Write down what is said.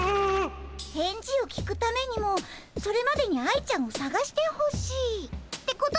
返事を聞くためにもそれまでに愛ちゃんをさがしてほしいってことだね？